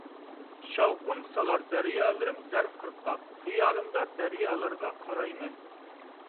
شاۋقۇن سالار دەريالىرىم زەر قىرغاق، خىيالىمدا دەريالارغا قاراي مەن.